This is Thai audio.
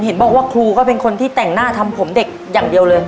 เห็นบอกว่าครูก็เป็นคนที่แต่งหน้าทำผมเด็กอย่างเดียวเลย